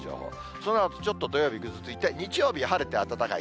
そのあとちょっと土曜日ぐずついて、日曜日は晴れて暖かい。